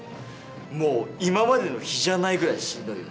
もう今までの比じゃないぐらいしんどいよね。